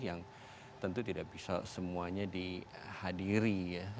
yang tentu tidak bisa semuanya dihadiri ya